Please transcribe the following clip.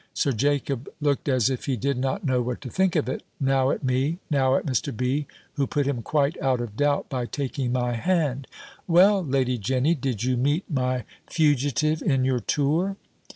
Sir Jacob looked as if he did not know what to think of it, now at me, now at Mr. B. who put him quite out of doubt, by taking my hand: "Well, Lady Jenny, did you meet my fugitive in your tour?"